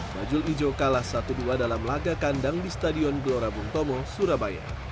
bajul ijo kalah satu dua dalam laga kandang di stadion gelora bung tomo surabaya